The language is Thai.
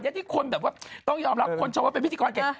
นะที่คนต้องยอมรับคนชอบว่าเป็นพิธีกรเก่ง